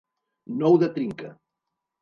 Nou de trinca.